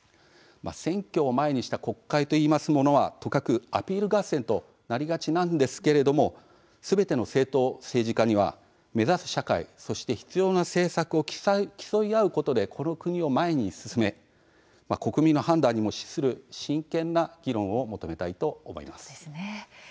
選挙を前にした国会といいますのは、とかくアピール合戦となりがちなんですけれどもすべての政党、政治家には目指す社会、必要な政策を競い合うことでこの国を前に進め国民の判断にも資する真剣な議論を求めたいと思います。